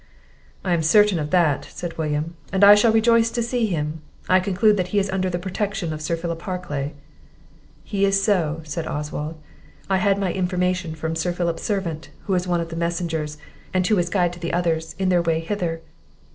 "I am certain of that," said William, "and I shall rejoice to see him; I conclude that he is under the protection of Sir Philip Harclay." "He is so," said Oswald; "I had my information from Sir Philip's servant, who is one of the messengers, and was guide to the others in their way hither."